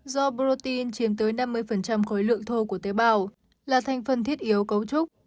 do protein chiếm tới năm mươi khối lượng thô của tế bào là thành phần thiết yếu cấu trúc